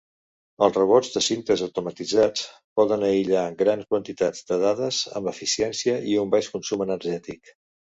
Els robots de cintes automatitzats poden aïllar grans quantitats de dades amb eficiència i un baix consum energètic.